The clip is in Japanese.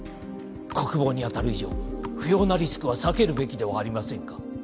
国防にあたる以上不要なリスクは避けるべきではありませんか？